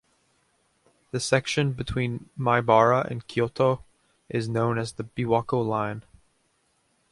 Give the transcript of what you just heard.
The section between Maibara and Kyoto is known as the Biwako Line.